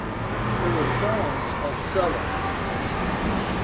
THE REFORMS OF SULLA.